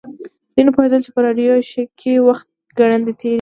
دوی نه پوهیدل چې په راډیو شیک کې وخت ګړندی تیریږي